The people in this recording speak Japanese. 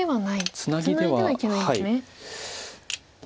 ツナいではいけないんですね。